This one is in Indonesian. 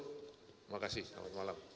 terima kasih selamat malam